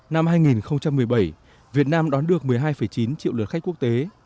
năm hai nghìn một mươi bảy việt nam đón được một mươi hai chín triệu lượt khách quốc tế